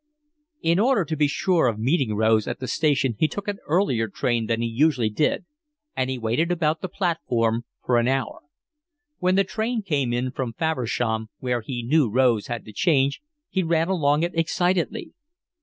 In order to be sure of meeting Rose at the station he took an earlier train than he usually did, and he waited about the platform for an hour. When the train came in from Faversham, where he knew Rose had to change, he ran along it excitedly.